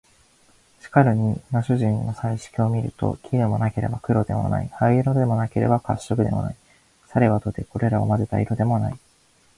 しかるに今主人の彩色を見ると、黄でもなければ黒でもない、灰色でもなければ褐色でもない、さればとてこれらを交ぜた色でもない